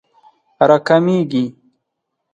راکمېږي